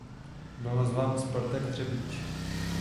Byl nazván "Spartak Třebíč".